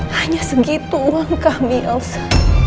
hanya segitu uang kami osa